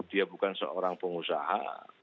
dia bukan seorang pengusaha